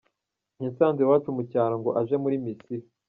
Yansanze iwacu mu cyaro ngo aje muri misiyo.